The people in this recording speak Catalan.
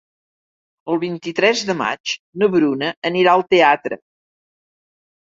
El vint-i-tres de maig na Bruna anirà al teatre.